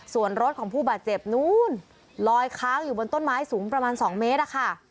ส่วนรถของผู้บาดเจ็บนู้นลอยค้างอยู่บนต้นไม้สูงประมาณ๒เมตรอะค่ะ